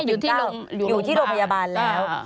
ไม่อยู่ที่โรงพยาบาลอยู่ที่โรงพยาบาลแล้ว